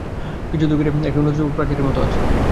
কিছুদূর গিয়া একটা অনতিউচ্চ প্রাচীরের মতো আছে।